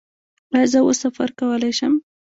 ایا زه اوس سفر کولی شم؟